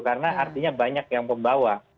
karena artinya banyak yang pembawa